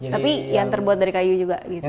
tapi yang terbuat dari kayu juga gitu